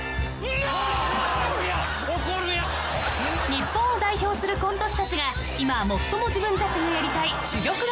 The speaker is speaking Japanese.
［日本を代表するコント師たちが今最も自分たちがやりたい］